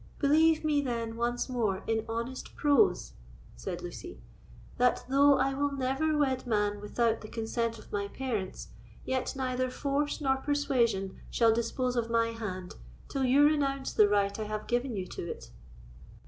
"Believe me, then, once more, in honest prose," said Lucy, "that, though I will never wed man without the consent of my parents, yet neither force nor persuasion shall dispose of my hand till you renounce the right I have given you to it."